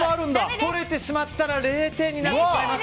とれてしまったら０点になってしまいます。